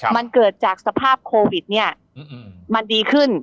มันเกิดจากสภาพโควิดเนี่ยมันดีขึ้น